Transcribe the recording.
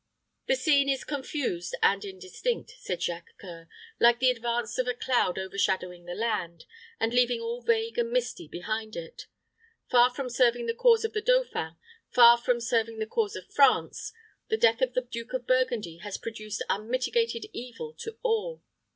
"The scene is confused and indistinct," said Jacques C[oe]ur, "like the advance of a cloud overshadowing the land, and leaving all vague and misty behind it. Far from serving the cause of the dauphin, far from serving the cause of France, the death of the Duke of Burgundy has produced unmitigated evil to all.